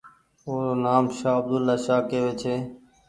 او رو نآم شاه عبدولآشاه ڪيوي ڇي۔